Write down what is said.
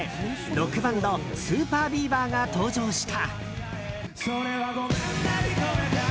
ロックバンドＳＵＰＥＲＢＥＡＶＥＲが登場した。